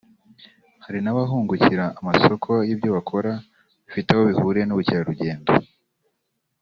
Hari n’abahungukira amasoko y’ibyobakora bifite aho bihuriye n’Ubukerarugendo